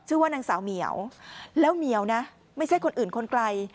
ชื่อว่านางสาวเหมียวแล้วเหมียวนะไม่ใช่คนอื่นคนไกล